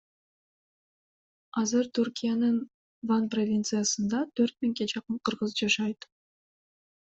Азыр Түркиянын Ван провинциясында төрт миңге жакын кыргыз жашайт.